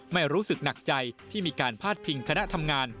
ไม่รู้สึกหนักใจที่มีการพาดพิงคณะทำงาน